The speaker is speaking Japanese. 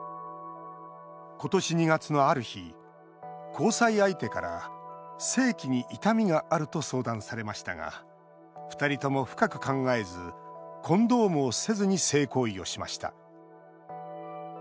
今年２月のある日、交際相手から性器に痛みがあると相談されましたが２人とも深く考えずコンドームをせずに性行為をしました。